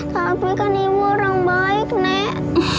tapi kan ibu orang baik nek